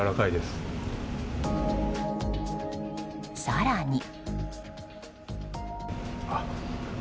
更に。